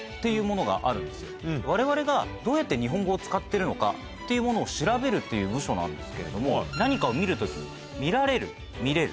われわれがどうやって日本語を使ってるのかっていうものを調べるっていう部署なんですけれども何かを見る時「見られる」「見れる」